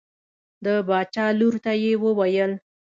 د باچا لور ته یې وویل.